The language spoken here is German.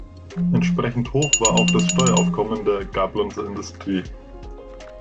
Entsprechend hoch war auch das Steueraufkommen der Gablonzer Industrie.